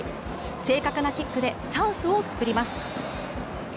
正確なキックでチャンスを作ります。